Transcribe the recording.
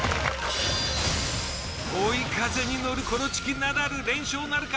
追い風に乗るコロチキナダル連勝なるか？